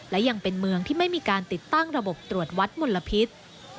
และยังเป็นเมืองที่ไม่มีการติดตั้งระบบตรวจวัดมลพิษ